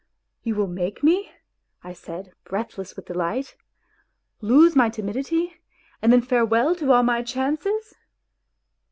" You will make me," I said, breathless with delight, " lose my timidity, and then farewell to all my chances.